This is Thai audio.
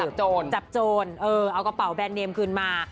โจรจับโจรเออเอากระเป๋าแบรนดเนมคืนมา